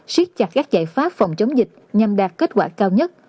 siết chặt các giải pháp phòng chống dịch nhằm đạt kết quả cao nhất